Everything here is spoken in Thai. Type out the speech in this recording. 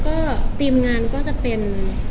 ก็ทีมงานก็จะเป็น